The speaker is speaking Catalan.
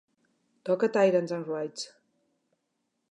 Toca Tyrants And Wraithss